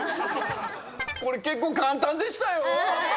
これ結構簡単でしたよ